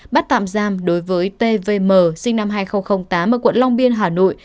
bắt tạm giam đối với tvm sinh năm hai nghìn tám ở quận long biên hà nội